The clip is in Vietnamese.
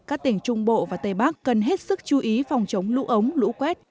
các tỉnh trung bộ và tây bắc cần hết sức chú ý phòng chống lũ ống lũ quét